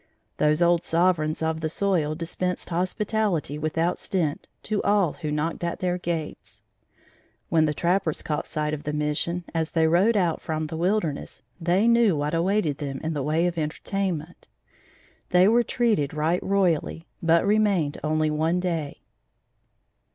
Those old sovereigns of the soil dispensed hospitality without stint to all who knocked at their gates. When the trappers caught sight of the Mission, as they rode out from the wilderness, they knew what awaited them in the way of entertainment. They were treated right royally, but remained only one day.